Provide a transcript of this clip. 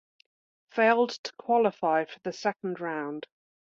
Failed to qualify for second round.